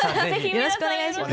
よろしくお願いします。